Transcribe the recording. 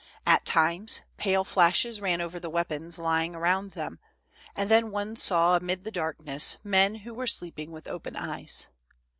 At times, pale flashes ran over the weapons lying around them, and then one saw' amid the darkness men who were sleeping with open eyes.